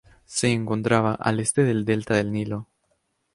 Se encontraba al Este del delta del Nilo.